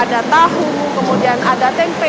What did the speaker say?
ada tahu kemudian ada tempe